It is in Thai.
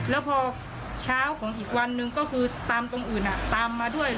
แล้วพอเช้าของอีกวันหนึ่งก็คือตามตรงอื่นตามมาด้วย